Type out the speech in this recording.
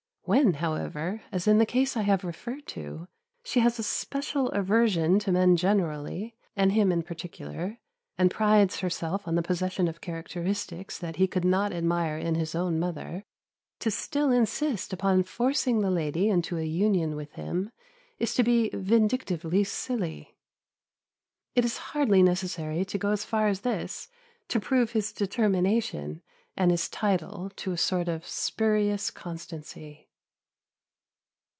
When, however, as in the case I have referred to, she has a special aversion to men generally, and him in particular, and prides herself on the possession of characteristics that he could not admire in his own mother, to still insist upon forcing the lady into a union with him is to be vindictively silly. It is hardly necessary to go as far as this to prove his determination and his title to a sort of spurious constancy.